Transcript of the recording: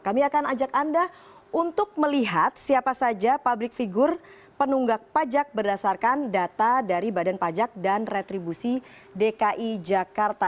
kami akan ajak anda untuk melihat siapa saja publik figure penunggak pajak berdasarkan data dari badan pajak dan retribusi dki jakarta